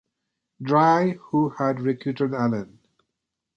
Dry who had recruited Allen.